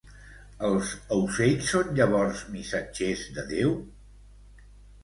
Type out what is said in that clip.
Els aucells són llavors missatgers de Déu?